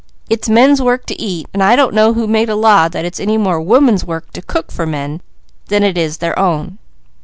It's men's work to eat, and I don't know who made a law that it was any more 'woman's work' to cook for men than it is their own.